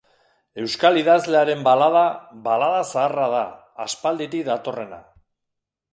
Euskal idazlearen balada, balada zaharra da, aspalditik datorrena.